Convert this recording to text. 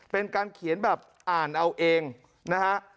เป็นการเขียนแบบอ่านเอาเองนะฮะ